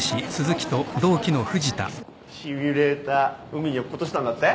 シミュレーター海に落っことしたんだって？